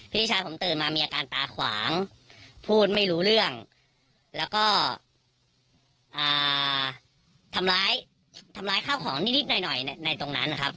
พี่ชายผมตื่นมามีอาการตาขวางพูดไม่รู้เรื่องแล้วก็ทำร้ายทำร้ายข้าวของนิดหน่อยในตรงนั้นนะครับ